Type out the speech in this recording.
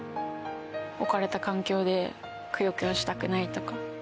置かれた環境でくよくよしたくないとか。